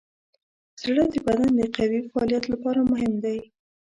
زړه د بدن د قوي فعالیت لپاره مهم دی.